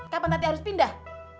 kapan tati harus pindah